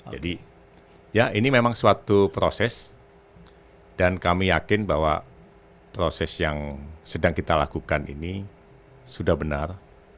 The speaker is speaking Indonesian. jadi ya ini memang suatu proses dan kami yakin bahwa proses yang sedang kita lakukan ini sudah benar